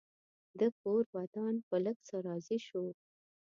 ده کور ودان په لږ څه راضي شو.